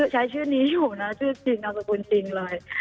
ใช้ชื่อนี้อยู่นะชื่อจริงนามสกุลจริงเลย